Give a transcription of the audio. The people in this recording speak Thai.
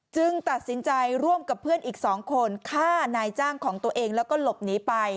ตัดสินใจร่วมกับเพื่อนอีก๒คนฆ่านายจ้างของตัวเองแล้วก็หลบหนีไป